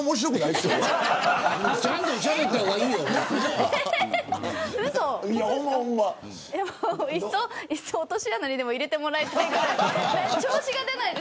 いっそ落とし穴にでも入れてもらいたいぐらい。